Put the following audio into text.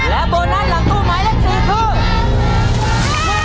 และโบนัสหลังตู้หมายเลข๔คือ